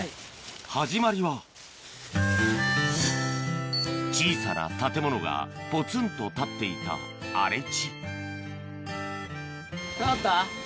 始まりは小さな建物がぽつんと立っていた荒れ地かかった？